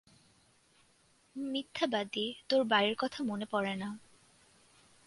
মিথ্যাবাদী, তোর বাড়ীর কথা মনে পরে না।